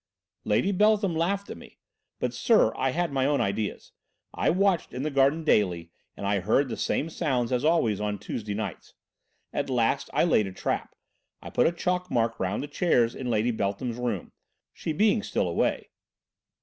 "Lady Beltham laughed at me. But, sir, I had my own ideas. I watched in the garden daily and I heard the same sounds and always on Tuesday nights. At last I laid a trap; I put a chalk mark round the chairs in Lady Beltham's room, she being still away.